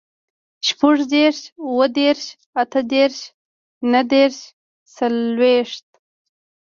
شپوږدېرش, اوهدېرش, اتهدېرش, نهدېرش, څلوېښت